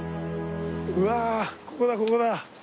うわここだここだ。